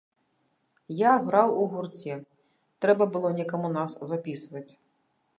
Я граў у гурце, трэба было некаму нас запісваць.